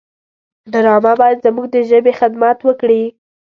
ډرامه باید زموږ د ژبې خدمت وکړي